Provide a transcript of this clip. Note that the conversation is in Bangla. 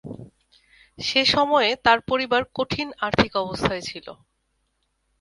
সে সময়ে তার পরিবার কঠিন আর্থিক অবস্থায় ছিল।